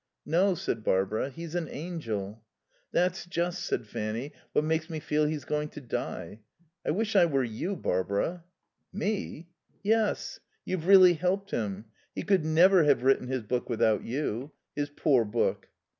"No," said Barbara; "he's an angel." "That's just," said Fanny, "what makes me feel he's going to die.... I wish I were you, Barbara." "Me?" "Yes. You've really helped him. He could never have written his book without you. His poor book."